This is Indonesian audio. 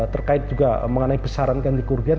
terkait juga mengenai besaran ganti kerugian